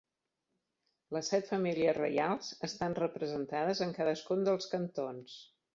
Les set famílies reials estan representades en cadascun dels cantons.